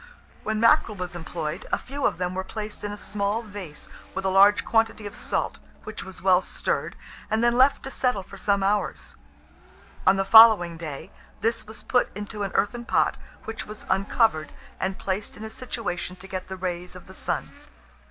When mackerel was employed, a few of them were placed in a small vase, with a large quantity of salt, which was well stirred, and then left to settle for some hours. On the following day, this was put into an earthen pot, which was uncovered, and placed in a situation to get the rays of the sun.